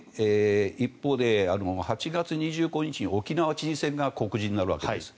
一方で８月２５日に沖縄知事選が告示になるわけです。